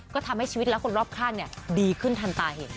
ก็ทำให้ชีวิตและคนรอบข้างดีขึ้นทันตาเห็น